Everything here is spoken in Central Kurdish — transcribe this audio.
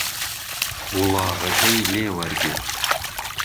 وڵاغهکهی لێ وهرگرت